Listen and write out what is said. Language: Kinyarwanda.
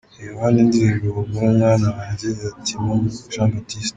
Reba hano indirimbo Humura mwana wanjye ya Timamu Jean Baptiste.